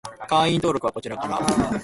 会員登録はこちらから